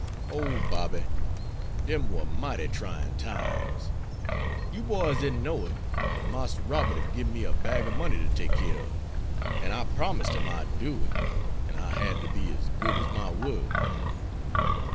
"Oh, Bobby, dem war mighty tryin' times. You boys didn't know it, but Marster Robert hab giben me a bag ob money ter take keer ob, an' I promised him I'd do it an' I had ter be ez good ez my word."